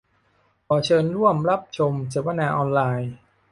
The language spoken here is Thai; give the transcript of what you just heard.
ขอเชิญร่วมรับชมเสวนาออนไลน์